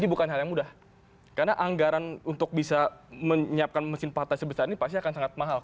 ini bukan hal yang mudah karena anggaran untuk bisa menyiapkan mesin partai sebesar ini pasti akan sangat mahal